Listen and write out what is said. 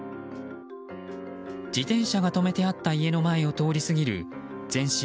自転車が止めてあった家の前を通り過ぎる全身